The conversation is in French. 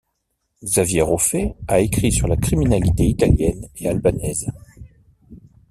Xavier Raufer a écrit sur la criminalité italienne et albanaise.